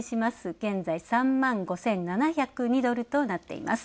現在３万５７０２ドルとなっています。